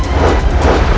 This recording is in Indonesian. aku akan menangkap dia